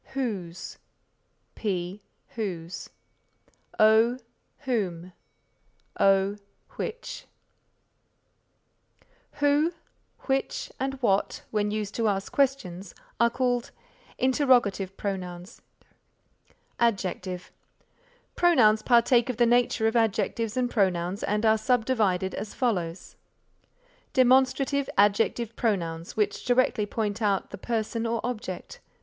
Whose P. Whose O. Whom O. Which Who, which and what when used to ask questions are called Interrogative Pronouns. Adjective Pronouns partake of the nature of adjectives and pronouns and are subdivided as follows: Demonstrative Adjective Pronouns which directly point out the person or object.